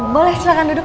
boleh silakan duduk